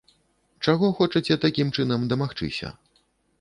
Чаго хочаце такім чынам дамагчыся?